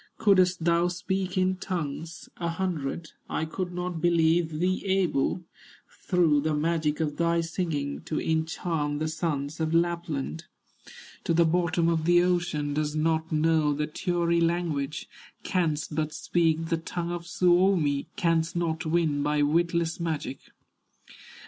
"Couldst thou speak in tongues a hundred, I could not believe thee able, Through the magic of thy singing, To enchant the sons of Lapland To the bottom of the ocean; Dost not know the Tury language, Canst but speak the tongue of Suomi, Canst not win by witless magic."